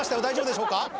大丈夫でしょうか？